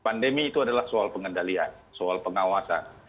pandemi itu adalah soal pengendalian soal pengawasan